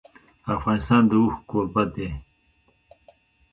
افغانستان د اوښ کوربه دی.